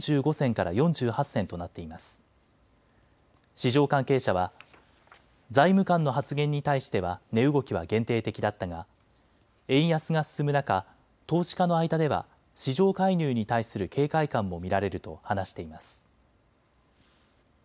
市場関係者は財務官の発言に対しては値動きは限定的だったが円安が進む中、投資家の間では市場介入に対する警戒感も見られると話しています。